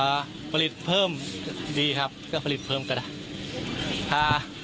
ผลิตเพิ่มดีครับก็ผลิตเพิ่มก็ได้อ่า